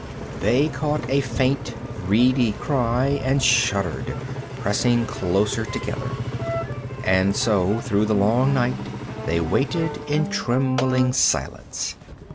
They caught a faint, reedy cry, and shuddered, pressing closer together. And so through the long night they waited in trembling silence.